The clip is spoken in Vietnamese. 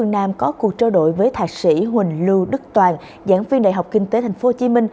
nam có cuộc trao đổi với thạc sĩ huỳnh lưu đức toàn giảng viên đại học kinh tế tp hcm